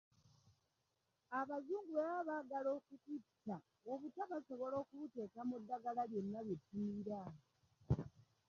Abazungu bwe baba baagala okututta, obutwa basobola okubuteeka mu ddagala lyonna lye tumira.